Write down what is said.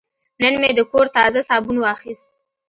نن مې د کور تازه صابون واخیست.